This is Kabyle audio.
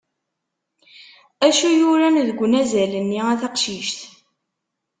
Acu yuran deg unazal-nni a taqcict?